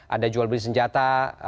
ada jual beli senjata